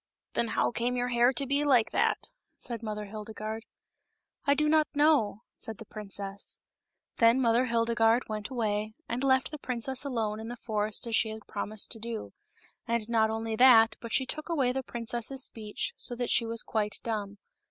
" Then how came your hair to be like that ?'* said Mother Hildegarde. " I do not know," said the princess. Then Mother Hildegarde went away, and left the princess alone in the forest as she had promised to do ; and not only that, but she took away the princess's speech, so that she was quite dumb.